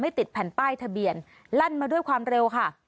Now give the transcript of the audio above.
ติดแผ่นป้ายทะเบียนลั่นมาด้วยความเร็วค่ะ